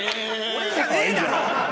俺じゃねえだろ！